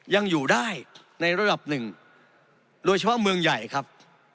ยังอยู่ได้ในระดับหนึ่งโดยเฉพาะเมืองใหญ่ครับ